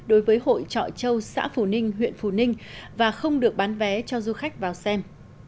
đối với hội trọi châu xã phù ninh huyện phù ninh và không được bán vé cho du khách vào xem